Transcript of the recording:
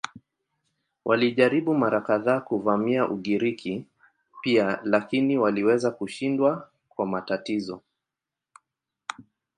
Walijaribu mara kadhaa kuvamia Ugiriki pia lakini waliweza kushindwa kwa matatizo.